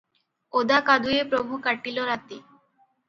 ଓଦା କାଦୁଏ ପ୍ରଭୁ କାଟିଲ ରାତି